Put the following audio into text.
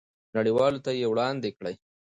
نړیوالو ته یې وړاندې کړئ.